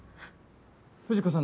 藤子さん